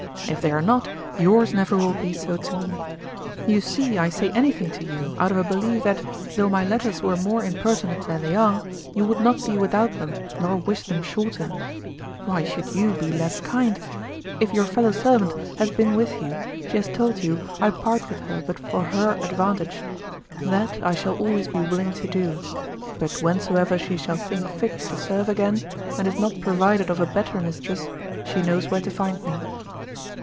If they are not, yours never will be so to me. You see I say anything to you, out of a belief that, though my letters were more impertinent than they are, you would not be without them nor wish them shorter. Why should you be less kind? If your fellow servant has been with you, she has told you I part with her but for her advantage. That I shall always be willing to do; but whensoever she shall think fit to serve again, and is not provided of a better mistress, she knows where to find me.